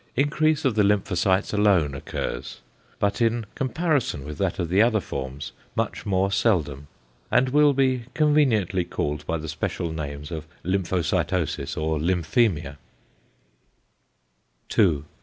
Increase of the lymphocytes alone occurs, but in comparison with that of the other forms, much more seldom, and will be conveniently called by the special names of "lymphocytosis" or "lymphæmia."